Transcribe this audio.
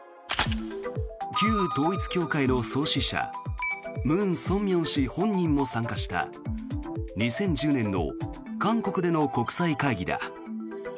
旧統一教会の創始者ムン・ソンミョン氏本人も参加した２０１０年の韓国での国際会議だ。